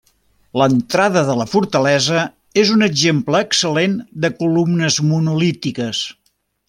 L'entrada de la fortalesa és un exemple excel·lent de columnes monolítiques.